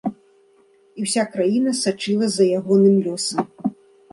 І ўся краіна сачыла за ягоным лёсам.